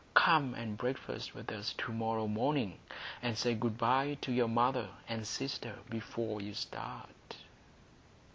Come and breakfast with us to morrow morning, and say good bye to your mother and sister before you start."